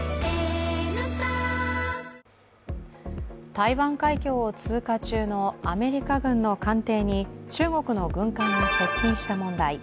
台湾海峡を通過中のアメリカ軍の艦艇に中国の軍艦が接近した問題。